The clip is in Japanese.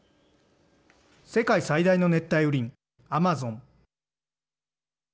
世界最大の熱帯雨林アマゾン。